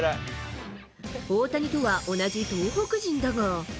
大谷とは同じ東北人だが。